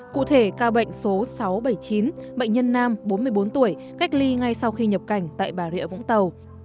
cụ thể ca bệnh số sáu trăm bảy mươi chín bệnh nhân nam bốn mươi bốn tuổi cách ly ngay sau khi nhập cảnh tại bà rịa vũng tàu